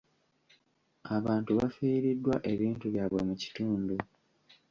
Abantu bafiiriddwa ebintu byabwe mu kitundu.